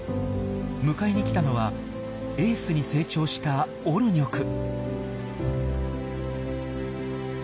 迎えに来たのはエースに成長したオルニョク。